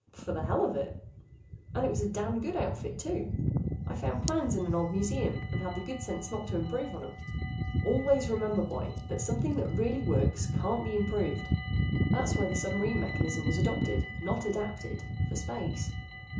"For the hell of it, and it was a damned good outfit, too. I found plans in an old museum, and had the good sense not to improve on 'em. Always remember, boy, that something that really works can't be improved. That's why the submarine mechanism was adopted not adapted for space.